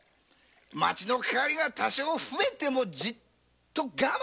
町のかかりが多少増えてもじっと我慢。